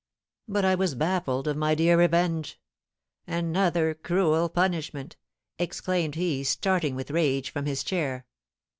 But I was baffled of my dear revenge. Another cruel punishment!" exclaimed he, starting with rage from his chair.